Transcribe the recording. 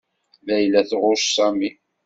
Layla tɣucc Sami.